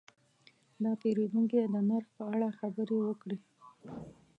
دا پیرودونکی د نرخ په اړه خبرې وکړې.